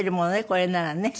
これならね。